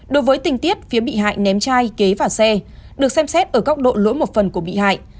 đối với tình tiết phía bị hại ném chai kế vào xe được xem xét ở góc độ lỗi một phần của bị hại